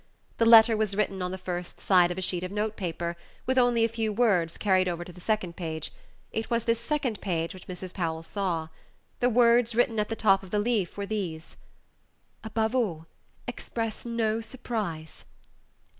The letter was written on the first side of a sheet of note paper, with only a few words carried over to the second page. It was this second page which Mrs. Powell saw. The words written at the top of the leaf were these: "Above all, express no surprise.